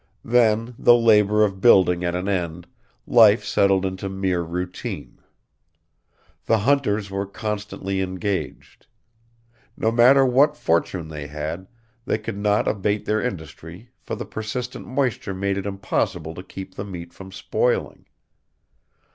Then, the labor of building at an end, life settled into mere routine. The hunters were constantly engaged. No matter what fortune they had, they could not abate their industry, for the persistent moisture made it impossible to keep the meat from spoiling.